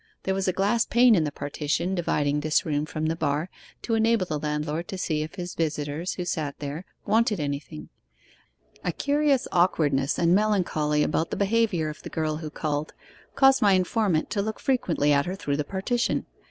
There was a glass pane in the partition dividing this room from the bar to enable the landlord to see if his visitors, who sat there, wanted anything. A curious awkwardness and melancholy about the behaviour of the girl who called, caused my informant to look frequently at her through the partition.